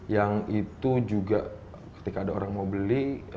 yang itu juga ketika ada orang mau beli